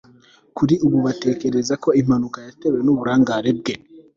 kuri ubu batekereza ko impanuka yatewe n'uburangare bwe